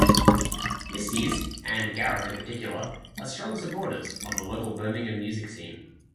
Misty's, and Gareth in particular, are strong supporters of the local Birmingham music scene.